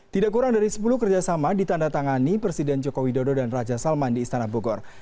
tidak kurang dari sepuluh kerjasama ditandatangani presiden joko widodo dan raja salman di istana bogor